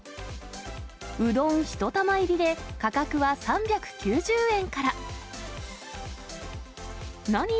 うどん１玉入りで価格は３９０円から。